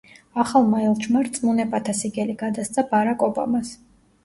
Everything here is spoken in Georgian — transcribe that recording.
ახალმა ელჩმა რწმუნებათა სიგელი გადასცა ბარაკ ობამას.